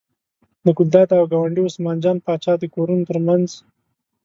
د ګلداد او ګاونډي عثمان جان پاچا د کورونو تر منځ.